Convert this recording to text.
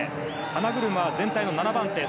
花車は全体の７番手。